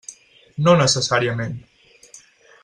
No necessàriament.